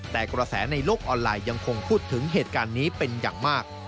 แต่กระแสในโลกออนไลน์ยังคงพูดถึงเหตุการณ์นี้เป็นอย่างมาก